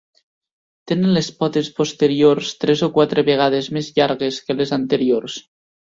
Tenen les potes posteriors tres o quatre vegades més llargues que les anteriors.